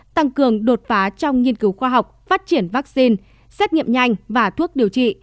tăng cường đột phá trong nghiên cứu khoa học phát triển vaccine xét nghiệm nhanh và thuốc điều trị